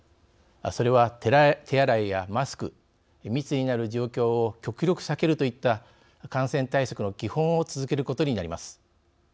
それは手洗いやマスク密になる状況を極力避けるといった感染対策の基本を続けることになります。